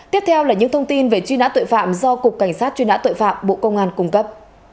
tiếp theo là những thông tin về truy nã tội phạm do cục cảnh sát truy nã tội phạm bộ công an cung cấp